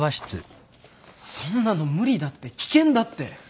そんなの無理だって危険だって！